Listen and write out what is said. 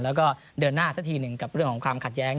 แล้วก็เดินหน้าสักทีหนึ่งกับเรื่องของความขัดแย้ง